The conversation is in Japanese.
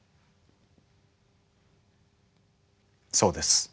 そうです。